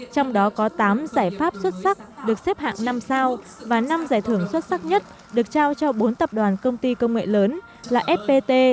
trong đó có tám giải pháp xuất sắc được xếp hạng năm sao và năm giải thưởng xuất sắc nhất được trao cho bốn tập đoàn công ty công nghệ lớn là fpt